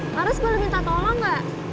harus boleh minta tolong gak